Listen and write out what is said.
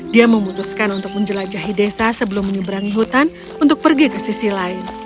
dia memutuskan untuk menjelajahi desa sebelum menyeberangi hutan untuk pergi ke sisi lain